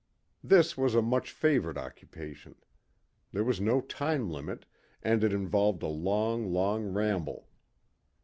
This was a much favored occupation. There was no time limit, and it involved a long, long ramble.